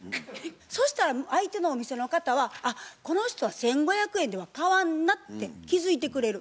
そしたら相手のお店の方は「あっこの人は１，５００円では買わんな」って気付いてくれる。